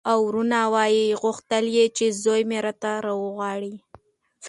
او ورنه ویې غوښتل چې زوی مې راته راوغواړه.